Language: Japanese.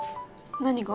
何が？